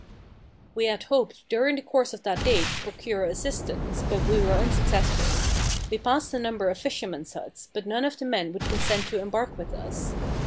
We had hoped during the course of that day to procure assistance, but we were unsuccessful. We passed a number of fishermen's huts, but none of the men would consent to embark with us.